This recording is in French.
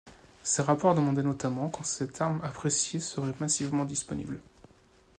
Ces rapports demandaient notamment quand cette arme appréciée serait massivement disponible.